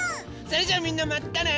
それじゃあみんなまたね！